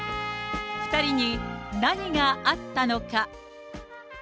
２人に何があったのか。